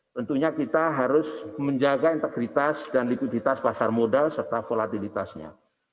tentunya kita harus menjaga integritas dan likuiditas pasar modal serta volatilitasnya